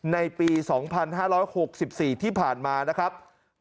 ในปี๒๕๖๔ที่ผ่านมานะครับ